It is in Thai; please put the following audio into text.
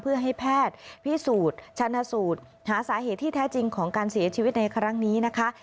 เพื่อให้แพทย์พิสูจน์ชนะสูตรหาสาเหตุที่แท้จริงของการเสียชีวิตในครั้งนี้นะคะ